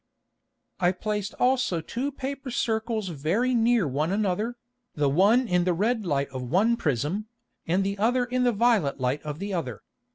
I placed also two Paper Circles very near one another, the one in the red Light of one Prism, and the other in the violet Light of the other.